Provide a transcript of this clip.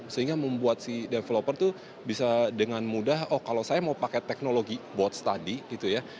sehingga membuat si developer tuh bisa dengan mudah oh kalau saya mau pakai teknologi bots tadi gitu ya